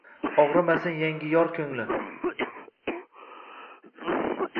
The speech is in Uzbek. Og’rimasin yangi yor ko’ngli…